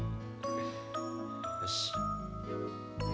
よし。